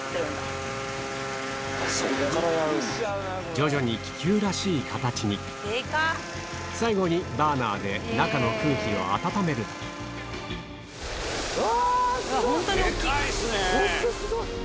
徐々に気球らしい形に最後にバーナーで中の空気を暖めるうわすごい！